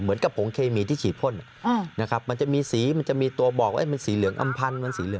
เหมือนกับโผงเคมีที่ฉีดพ่นนะครับมันจะมีสีมันจะมีตัวบอกว่ามันสีเหลืองอำพันธ์